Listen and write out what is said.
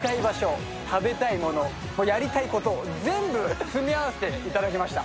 行きたい場所、食べたいものやりたいこと、全部詰め合わせていただきました。